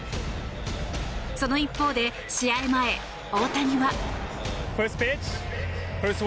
その一方で試合前、大谷は。